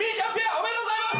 おめでとうございます！